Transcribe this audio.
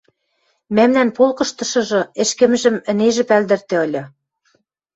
Мӓмнӓн полкыштышыжы ӹшкӹмжӹм ӹнежӹ пӓлдӹртӹ ыльы.